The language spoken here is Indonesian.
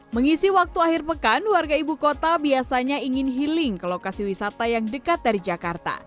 mengisi waktu akhir pekan warga ibu kota biasanya ingin healing ke lokasi wisata yang dekat dari jakarta